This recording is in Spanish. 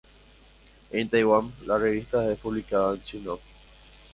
En Taiwán, la revista es publicada en chino.